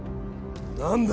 何だ